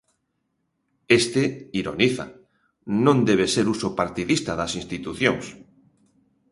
Este, ironiza, "non debe ser uso partidista das institucións".